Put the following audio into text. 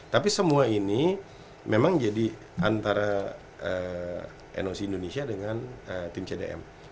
tapi semua ini memang jadi antara noc indonesia dengan tim cdm